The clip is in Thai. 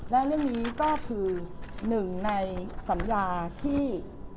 และเรื่องนี้ก็คือหนึ่งในสัญญาที่